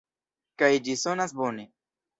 Kaj ĝi sonas bone.